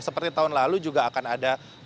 seperti tahun lalu juga akan ada